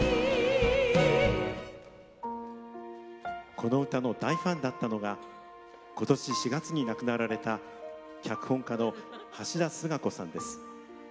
この歌の大ファンだったのが今年４月に亡くなられた脚本家の橋田壽賀子さんです。